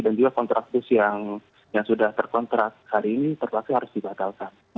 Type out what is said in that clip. dan juga kontrak bus yang sudah terkontrak hari ini terpaksa harus dibatalkan